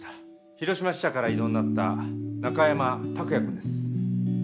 広島支社から異動になった中山拓也くんです。